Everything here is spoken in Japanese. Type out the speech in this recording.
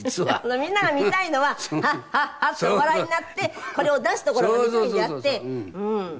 みんなが見たいのは「ハッハッハ」ってお笑いになってこれを出すところが見たいんであってうん。